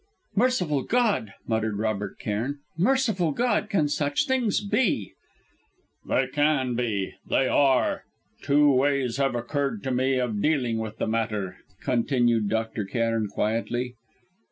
"Merciful God!" muttered Robert Cairn, "Merciful God, can such things be!" "They can be they are! Two ways have occurred to me of dealing with the matter," continued Dr. Cairn quietly.